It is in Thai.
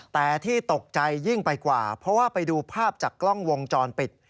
แต่ที่ตกใจยิ่งไปกว่าเพราะว่าไปดูภาพจากกล้องวงจรปิด